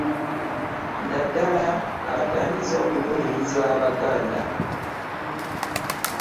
Naddala abatandise okulumiriza abaganda